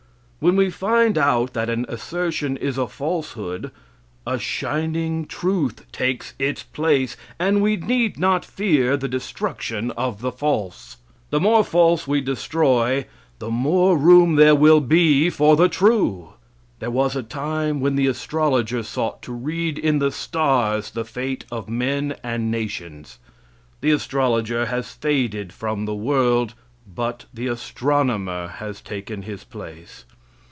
When we find out that an assertion is a falsehood, a shining truth takes its place, and we need not fear the destruction of the false. The more false we destroy the more room there will be for the true. There was a time when the astrologer sought to read in the stars the fate of men and nations. The astrologer has faded from the world, but the astronomer has taken his place.